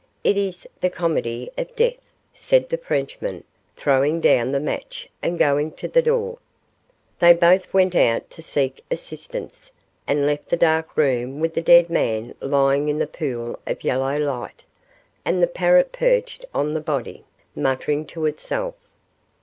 'It is the comedy of death,' said the Frenchman, throwing down the match and going to the door. They both went out to seek assistance, and left the dark room with the dead man lying in the pool of yellow light, and the parrot perched on the body, muttering to itself.